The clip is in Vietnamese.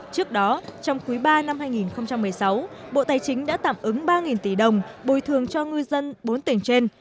trước đó trong quý ba năm hai nghìn một mươi sáu bộ tài chính đã tạm ứng ba tỷ đồng bồi thường cho ngư dân bốn tỉnh trên